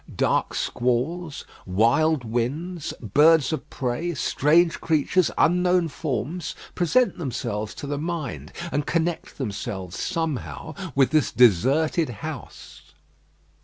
Dark squalls, wild winds, birds of prey, strange creatures, unknown forms, present themselves to the mind, and connect themselves somehow with this deserted house.